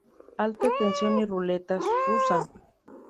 Alta tensión" y "Ruleta rusa".